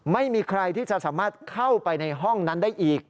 ไม่มีใครที่จะสามารถเข้าไปในห้องนั้นได้อีก